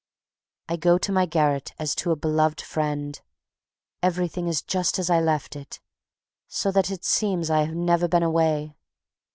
I go to my garret as to a beloved friend. Everything is just as I left it, so that it seems I have never been away.